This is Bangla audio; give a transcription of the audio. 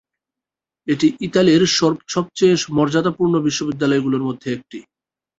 এটি ইতালির সবচেয়ে মর্যাদাপূর্ণ বিশ্ববিদ্যালয়গুলোর মধ্যে একটি।